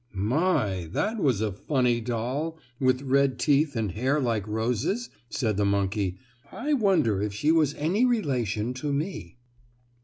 "My! That was a funny doll, with red teeth and hair like roses," said the monkey. "I wonder if she was any relation to me?"